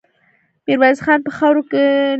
ميرويس خان په خاورو کې کښلو ليکو ته وکتل.